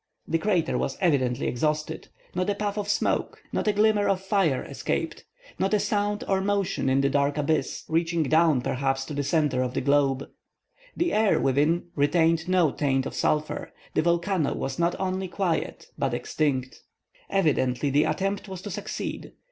The crater was evidently exhausted. Not a puff of smoke, not a glimmer of fire, escaped; not a sound or motion in the dark abyss, reaching down, perhaps, to the centre of the globe. The air within retained no taint of sulphur. The volcano was not only quiet, but extinct. Evidently the attempt was to succeed.